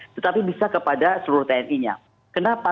tetapi bisa kepada seluruh tni nya kenapa